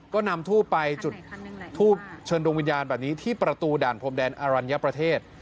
ก็นำทูบไปจุดทูบเชิญดวงวิญญาณแบบนี้ที่ประตูด่านพรมแดนอรัญญประเทศ